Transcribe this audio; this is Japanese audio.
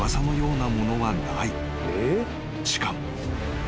［しかも］